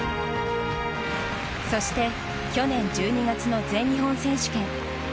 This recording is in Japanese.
そして、去年１２月の全日本選手権。